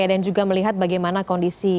dan juga melihat bagaimana kondisi